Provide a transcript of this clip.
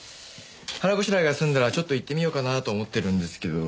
腹ごしらえが済んだらちょっと行ってみようかなと思ってるんですけど。